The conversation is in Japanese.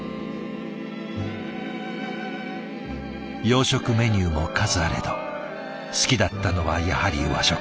洋食メニューも数あれど好きだったのはやはり和食。